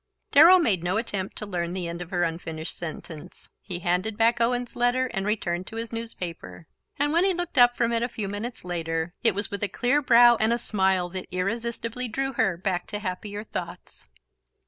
Darrow made no attempt to learn the end of her unfinished sentence. He handed back Owen's letter and returned to his newspaper; and when he looked up from it a few minutes later it was with a clear brow and a smile that irresistibly drew her back to happier thoughts.